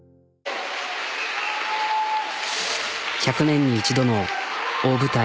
１００年に１度の大舞台。